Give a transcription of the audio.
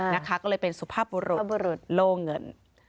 นะคะก็เลยเป็นสุภาพบุรุษโลเงิน